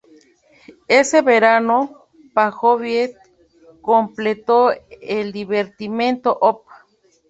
Ese verano, Prokofiev completó el "Divertimento, op.